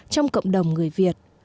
trong cộng đồng người việt